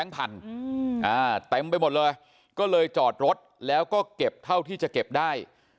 เต็มไปหมดเลยก็เลยจอดรถแล้วก็เก็บเท่าที่จะเก็บได้